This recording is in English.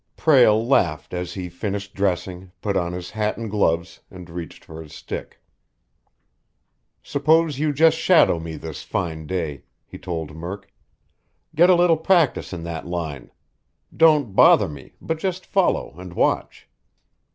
Prale laughed as he finished dressing, put on his hat and gloves, and reached for his stick. "Suppose you just shadow me this fine day," he told Murk. "Get a little practice in that line. Don't bother me, but just follow and watch."